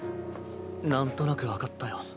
なんとなく分かったよ。